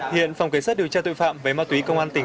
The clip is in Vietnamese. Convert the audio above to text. hiện phòng kế sát điều tra tội phạm với ma túy công an tỉnh hnvt